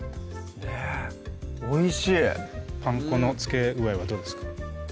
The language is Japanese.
ねっおいしいパン粉の付け具合はどうですか？